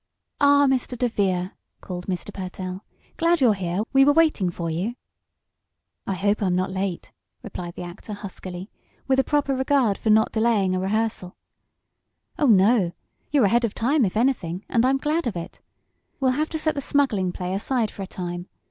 "Ah, Mr. DeVere!" called Mr. Pertell. "Glad you're here; we were waiting for you." "I hope I'm not late!" replied the actor, huskily, with a proper regard for not delaying a rehearsal. "Oh, no. You're ahead of time if anything, and I'm glad of it. We'll have to set the smuggling play aside for a time.